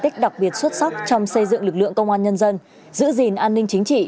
tích đặc biệt xuất sắc trong xây dựng lực lượng công an nhân dân giữ gìn an ninh chính trị